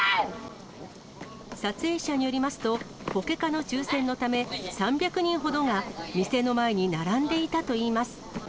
撮影者によりますと、ポケカの抽せんのため、３００人ほどが店の前に並んでいたといいます。